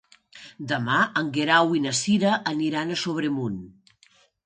Demà en Guerau i na Cira aniran a Sobremunt.